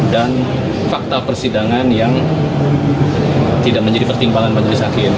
dan fakta persidangan yang tidak menjadi pertimbangan majelis hakim